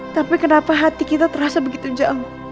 tapi kenapa hati kita terasa begitu jauh